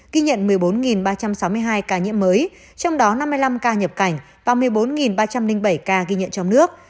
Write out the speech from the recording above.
ghi nhận một mươi bốn ba trăm sáu mươi hai ca nhiễm mới trong đó năm mươi năm ca nhập cảnh và một mươi bốn ba trăm linh bảy ca ghi nhận trong nước